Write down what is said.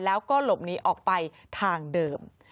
แล้วก็หลบหนีออกไปทางเดิม